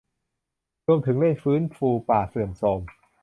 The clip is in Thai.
รวมถึงเร่งฟื้นฟูป่าเสื่อมโทรม